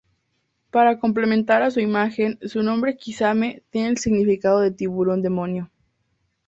Para complementar a su imagen su nombre Kisame, tiene el significado de "Tiburón demonio".